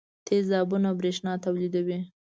تیزابونه برېښنا تولیدوي.